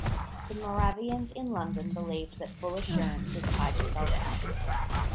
The Moravians in London believed that full assurance was tied to salvation.